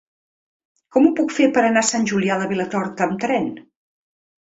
Com ho puc fer per anar a Sant Julià de Vilatorta amb tren?